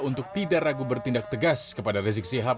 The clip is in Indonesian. untuk tidak ragu bertindak tegas kepada rizik sihab